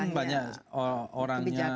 kan banyak orangnya